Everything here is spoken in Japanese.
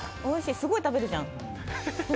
すごい食べるじゃん。